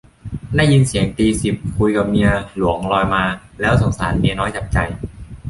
ได้ยินเสียงตีสิบคุยกับเมียหลวงลอยมา แล้วสงสารเมียน้อยจับใจ